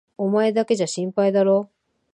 お前だけじゃ心配だろう？